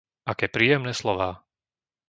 Aké príjemné slová.